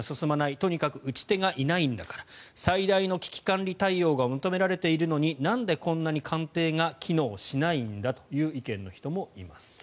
とにかく打ち手がいないんだから最大の危機管理対応が求められているのになんでこんなに官邸が機能しないんだという意見の人もいます。